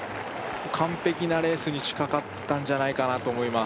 完璧なレースに近かったんじゃないかなと思います